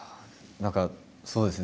何かそうですね。